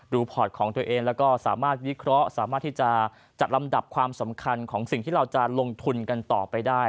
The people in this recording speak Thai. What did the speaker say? พอร์ตของตัวเองแล้วก็สามารถวิเคราะห์สามารถที่จะจัดลำดับความสำคัญของสิ่งที่เราจะลงทุนกันต่อไปได้